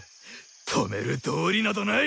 止める道理などない！